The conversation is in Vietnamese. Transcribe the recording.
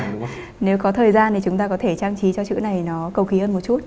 nếu có thời gian thì chúng ta có thể trang trí cho chữ này nó cầu khí hơn một chút